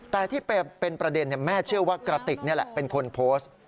แต่ที่เป็นประเด็นแม่เชื่อว่ากระติกนี่แหละเป็นคนโพสต์